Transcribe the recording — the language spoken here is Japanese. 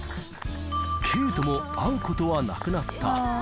Ｋとも会うことはなくなった。